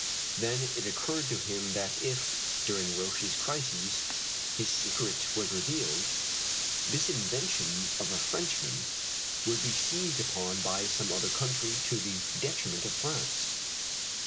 Then it occurred to him that if, during Roch's crises, his secret was revealed, this invention of a Frenchman would be seized upon by some other country to the detriment of France.